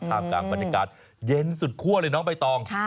ท่ามกลางบรรยากาศเย็นสุดคั่วเลยน้องใบตอง